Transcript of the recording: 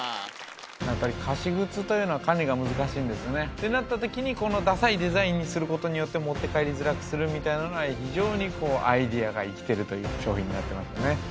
やっぱり貸靴というのは管理が難しいんですよねってなった時にこのダサいデザインにすることによって持って帰りづらくするみたいなのは非常にアイデアが生きてるという商品になってますよね